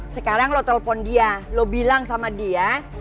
sekarang lo telpon dia lo bilang sama dia